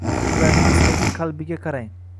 Ularning istagi, qalbiga qarang.